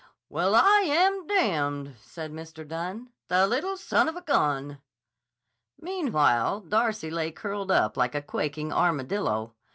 "Well, I am d——d!" said Mr. Dunne. "The little son of a gun!" Meanwhile Darcy lay curled up like a quaking armadillo.